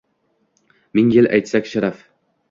Ming yil aytsak sharaf